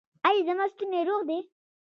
ایا زما ستونی روغ دی؟